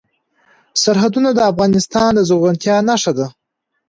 سرحدونه د افغانستان د زرغونتیا نښه ده.